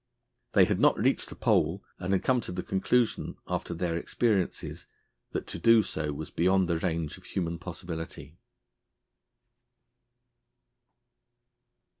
They had not reached the Pole, and had come to the conclusion, after their experiences, that to do so was beyond the range of human possibility.